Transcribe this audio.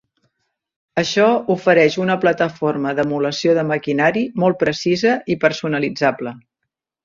Això ofereix una plataforma d'emulació de maquinari molt precisa i personalitzable.